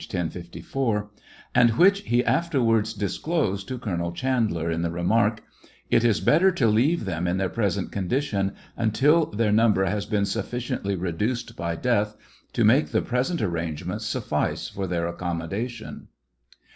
10 54,) and which he afterwards disclosed to Colonel Chandler in the remark : It is better to leave them in their present condition until their number has been sufficiently reduced by death to make the present arrangements suffice for their accommodation.